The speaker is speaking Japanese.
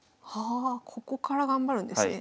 あここから頑張るんですね。